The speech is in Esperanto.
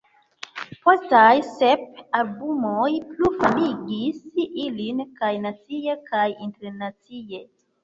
Postaj sep albumoj plu famigis ilin kaj nacie kaj internacie.